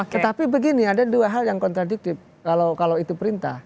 tetapi begini ada dua hal yang kontradiktif kalau itu perintah